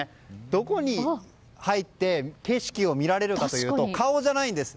どこに入って景色を見られるかというと顔じゃないんです。